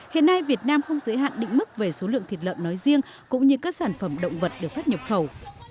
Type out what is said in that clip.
hiện nay việt nam không giới hạn định mức về số lượng thịt lợn nói riêng cũng như các sản phẩm động vật được phép nhập khẩu